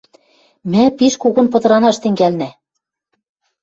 Мӓ пиш когон пыдыранаш тӹнгӓлнӓ.